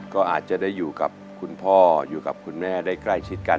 ก็อาจจะได้อยู่กับคุณพ่ออยู่กับคุณแม่ได้ใกล้ชิดกัน